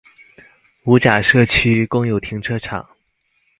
五甲社區公有停車場